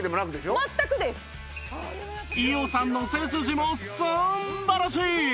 伊代さんの背筋もすんばらしい！